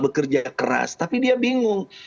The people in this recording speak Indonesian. bekerja keras tapi dia bingung